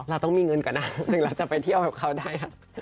เราต้องมีเงินก่อนนะถึงเราจะไปเที่ยวกับเขาได้